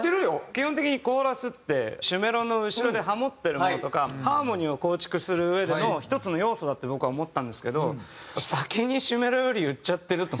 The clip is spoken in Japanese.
基本的にコーラスって主メロの後ろでハモってるものとかハーモニーを構築するうえでの１つの要素だって僕は思ったんですけど先に主メロより言っちゃってると思って。